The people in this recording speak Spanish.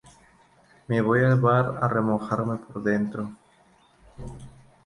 Me voy al bar a remojarme por dentro